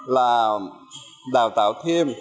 lào tạo thêm